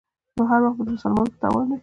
نو هر وخت به د مسلمان په تاوان وي.